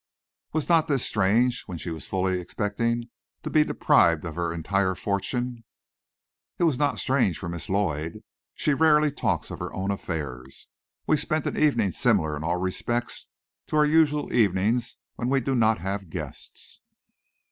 "Was not this strange when she was fully expecting to be deprived of her entire fortune?" "It was not strange for Miss Lloyd. She rarely talks of her own affairs. We spent an evening similar in all respects to our usual evening when we do not have guests."